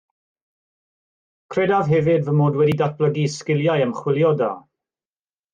Credaf hefyd fy mod wedi datblygu sgiliau ymchwilio da.